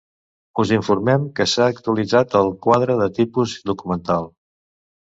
Us informem que s'ha actualitzat el Quadre de Tipus Documental.